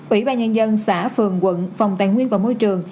ủy ba nhân dân xã phường quận phòng tài nguyên môi trường